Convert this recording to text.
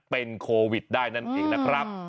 เป็นโควิดได้นั่นเองนะครับ